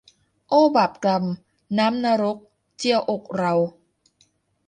โอ้บาปกรรม น้ำนรก เจียวอกเรา